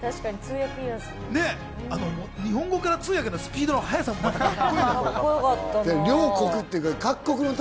日本語から通訳のスピードの早さもカッコよかった。